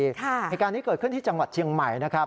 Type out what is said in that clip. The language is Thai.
รายการนี้เกิดขึ้นที่จังหวัดเชียงใหม่